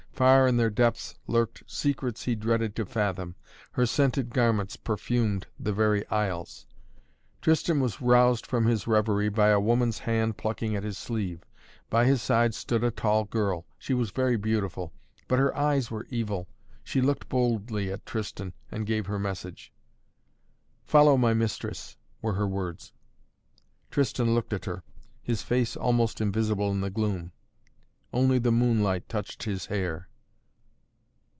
Far in their depths lurked secrets he dreaded to fathom. Her scented garments perfumed the very aisles. Tristan was roused from his reverie by a woman's hand plucking at his sleeve. By his side stood a tall girl. She was very beautiful, but her eyes were evil. She looked boldly at Tristan and gave her message. "Follow my mistress," were her words. Tristan looked at her, his face almost invisible in the gloom. Only the moonlight touched his hair.